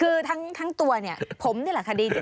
คือทั้งตัวผมนี่แหละค่ะดีจริง